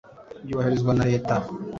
Byubahirizwa na Leta.